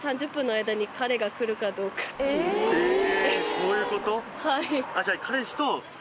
そういうこと？